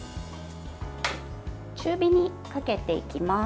中火にかけていきます。